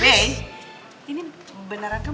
mas ini beneran mas b